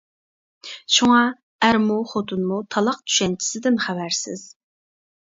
شۇڭا ئەرمۇ، خوتۇنمۇ تالاق چۈشەنچىسىدىن خەۋەرسىز.